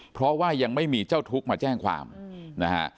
เพราะว่ายังไม่มีเจ้าทุกข์มาแจ้งความนะฮะ